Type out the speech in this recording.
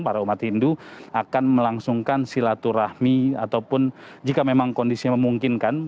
para umat hindu akan melangsungkan silaturahmi ataupun jika memang kondisinya memungkinkan